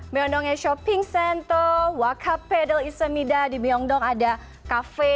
di byongdong ada shopping center wakafet di byongdong ada cafe